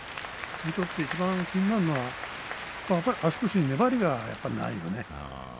見ていて気になるのは足腰に粘りがないね。